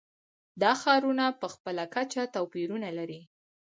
دا ښارونه په خپله کچه توپیرونه لري.